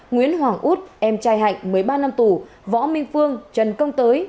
nguyễn hoàng út em trai hạnh một mươi ba năm tù võ minh phương trần công tới